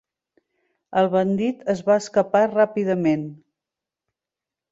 El bandit es va escapar ràpidament.